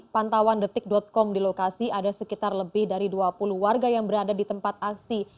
pantauan detik com di lokasi ada sekitar lebih dari dua puluh warga yang berada di tempat aksi